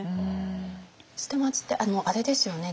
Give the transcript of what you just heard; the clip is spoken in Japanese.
捨松ってあれですよね